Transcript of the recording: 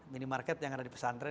minimarket yang ada di pesan tren